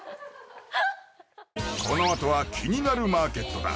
このあとは「キニナルマーケット」だ